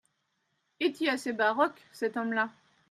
Est-y assez baroque, cet homme-là…